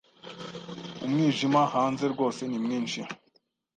Umwijima hanze rwose ni mwinshi.